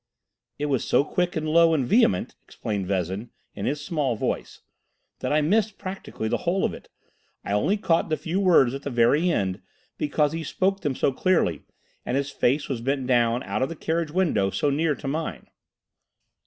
"It was so quick and low and vehement," explained Vezin, in his small voice, "that I missed practically the whole of it. I only caught the few words at the very end, because he spoke them so clearly, and his face was bent down out of the carriage window so near to mine."